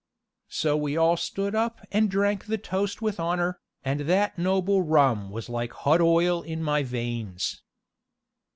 So we all stood up and drank the toast with honor, and that noble rum was like hot oil in my veins.